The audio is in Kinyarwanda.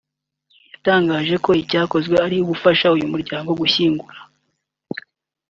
yatangarije ko icyakozwe ari ugufasha uyu muryango gushyingura